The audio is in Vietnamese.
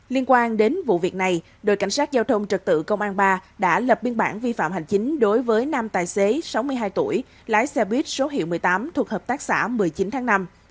liên quan đến vụ việc này đội cảnh sát giao thông trật tự công an ba đã lập biên bản vi phạm hành chính đối với năm tài xế sáu mươi hai tuổi lái xe buýt số hiệu một mươi tám thuộc hợp tác xã một mươi chín tháng năm